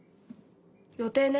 予定ね。